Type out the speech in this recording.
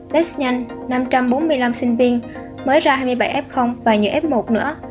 test nhanh năm trăm bốn mươi năm sinh viên mới ra hai mươi bảy f và nhiều f một nữa